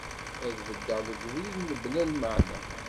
Ad beddeɣ deg ubrid mebla lmaɛna.